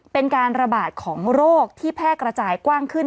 เป็นการระบาดของโรคที่แพร่กระจายกว้างขึ้น